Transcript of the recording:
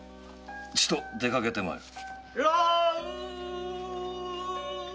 ちと出かけてまいる。